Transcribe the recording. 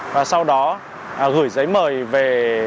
và sau đó gửi giấy mời về